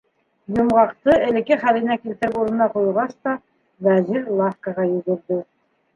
Йомғаҡты элекке хәленә килтереп урынына ҡуйғас та, Вәзир лавкаға йүгерҙе.